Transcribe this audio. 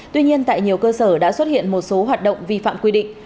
tuy nhiên tại nhiều cơ sở đã xuất hiện một số hoạt động vi phạm quy định